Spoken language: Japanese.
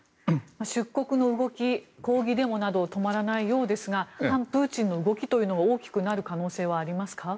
出国の動き抗議デモなどが止まらないようですが反プーチンの動きというのは大きくなる可能性はありますか？